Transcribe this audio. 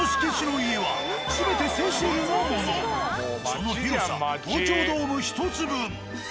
その広さ東京ドーム１つ分。